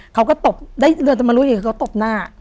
เขาก็ตบได้เริ่มจากมารู้อีกเขาก็ตบหน้า